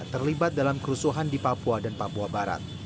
terlibat dalam kerusuhan di papua dan papua barat